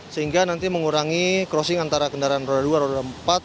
sehingga nanti mengurangi crossing antara kendaraan roda dua roda empat